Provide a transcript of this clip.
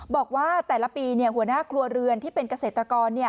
บอกว่าแต่ละปีเนี่ยหัวหน้ากลัวเรือนที่เป็นเกษตรกรเนี่ย